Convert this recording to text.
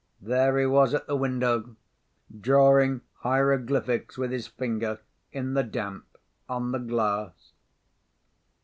There he was at the window, drawing hieroglyphics with his finger in the damp on the glass.